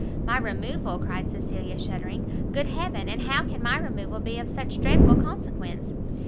"My removal," cried Cecilia, shuddering, "good heaven, and how can my removal be of such dreadful consequence?"